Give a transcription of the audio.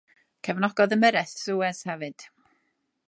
Cefnogodd ymyrraeth Suez hefyd.